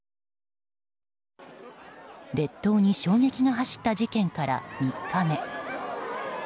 列島に衝撃が走った事件から３日目。